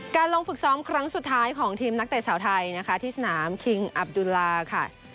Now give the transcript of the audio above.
ลงฝึกซ้อมครั้งสุดท้ายของทีมนักเตะสาวไทยนะคะที่สนามคิงอับดุลลาค่ะ